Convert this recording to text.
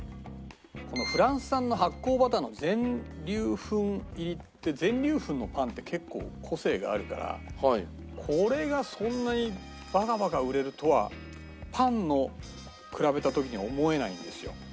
このフランス産の発酵バターの全粒粉入りって全粒粉のパンって結構個性があるからこれがそんなにバカバカ売れるとはパンを比べた時に思えないんですよ。